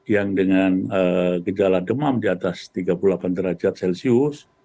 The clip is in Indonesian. yang dengan gejala demam di atas tiga puluh delapan derajat celcius